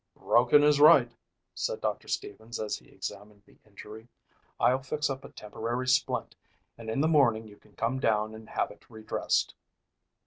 "Broken is right," said Doctor Stevens as he examined the injury. "I'll fix up a temporary splint and in the morning you can come down and have it redressed."